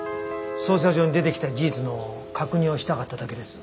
捜査上に出てきた事実の確認をしたかっただけです。